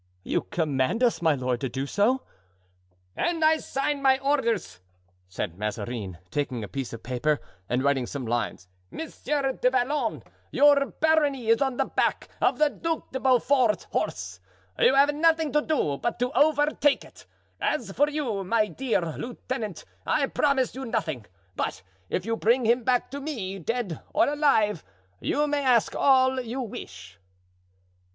"You command us, my lord, to do so?" "And I sign my orders," said Mazarin, taking a piece of paper and writing some lines; "Monsieur du Vallon, your barony is on the back of the Duc de Beaufort's horse; you have nothing to do but to overtake it. As for you, my dear lieutenant, I promise you nothing; but if you bring him back to me, dead or alive, you may ask all you wish."